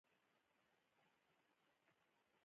دښته د انساني زغم حد ازمويي.